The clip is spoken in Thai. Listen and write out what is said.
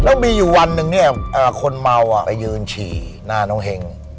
แล้วมีอยู่วันหนึ่งเนี่ยคนเมาไปยืนฉี่หน้าน้องเฮง